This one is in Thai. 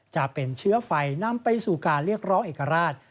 จะเป็นเชื้อไฟนำไปสู่การเรียกร้องเอกราช